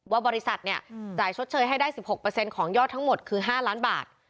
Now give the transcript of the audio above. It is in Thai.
ว่าบริษัทเนี่ยจ่ายชดเชยให้ได้๑๖ของยอดทั้งหมดคือ๕ล้านบาท